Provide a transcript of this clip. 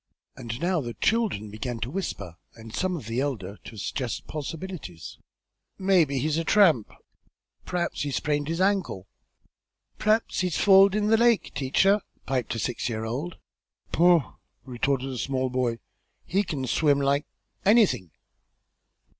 And now the children began to whisper, and some of the elder to suggest possibilities. "Maybe he's met a tramp." "P'r'aps he's sprained his ankle!" "P'r'aps he's falled into the lake, teacher," piped a six year old. "Poh!" retorted a small boy. "He kin swim like anything."